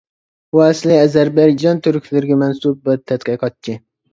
ئۇ ئەسلى ئەزەربەيجان تۈركلىرىگە مەنسۇپ بىر تەتقىقاتچى.